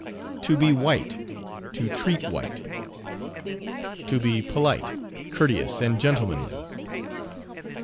"To be white," "To treat white." To be polite, courteous, and gentlemanly.